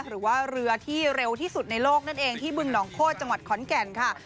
หรือว่าเรือที่เร็วที่สุดในโลกนั่นเองที่บึงหนองโคตรจังหวัดขอนแก่นค่ะ